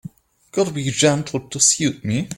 Gotta be gentle to suit me.